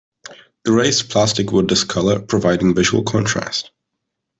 The raised plastic would discolor, providing visual contrast.